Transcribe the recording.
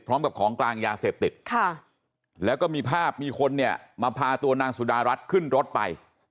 พร้อมกับของกลางยาเสพติดแล้วก็มีภาพมีคนเนี่ยมาพาตัวนางสุดารัฐขึ้นรถไป